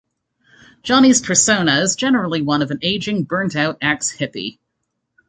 Johnny's persona is generally one of an aging burnt out ex-hippie.